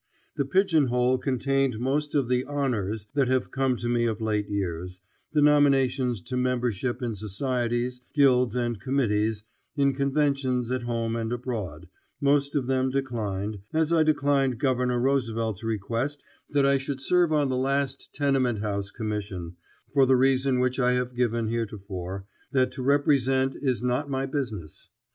The pigeonhole contained most of the "honors" that have come to me of late years, the nominations to membership in societies, guilds, and committees, in conventions at home and abroad, most of them declined, as I declined Governor Roosevelt's request that I should serve on the last Tenement House Commission, for the reason which I have given heretofore, that to represent is not my business.